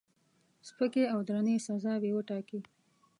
سپکې او درنې سزاوي وټاکي.